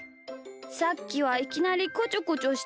さっきはいきなりこちょこちょしてごめん。